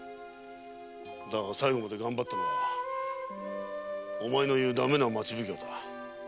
だが最後まで頑張ったのはお前の言うダメな町奉行だ。